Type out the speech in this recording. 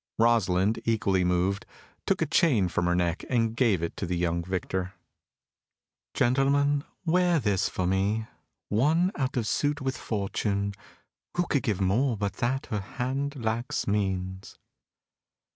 Rosalind, equally moved, took a chain from her neck and gave it to the young victor. "Gentleman, wear this for me, one out of suit with fortune, who could give more but that her hand lacks means."